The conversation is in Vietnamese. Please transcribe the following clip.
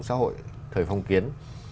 trong xã hội thời phong kiến